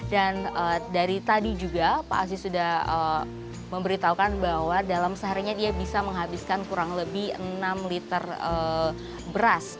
dan dari tadi juga pak aziz sudah memberitahukan bahwa dalam seharinya dia bisa menghabiskan kurang lebih enam liter beras